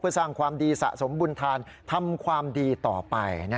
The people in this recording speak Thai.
เพื่อสร้างความดีสะสมบุญธานทำความดีต่อไป